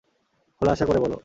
খোলাশা করে বলো?